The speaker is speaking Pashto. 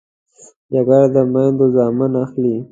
جګړه د میندو زامن اخلي